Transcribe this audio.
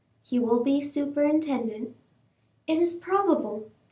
"He will be superintendent?" "It is probable.